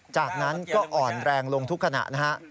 จากนั้นก็อ่อนแรงลงทุกขณะนะฮะ